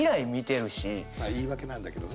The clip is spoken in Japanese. まあ言い訳なんだけどね。